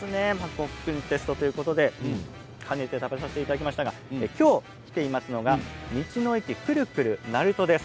ごっくんテストということで食べさせていただきましたが今日来ていますのは道の駅くるくるなるとです。